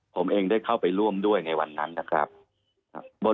ผมเองได้เข้าไปร่วมด้วยในวันนั้นนะครับ